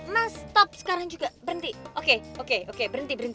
mas top sekarang juga berhenti oke oke berhenti berhenti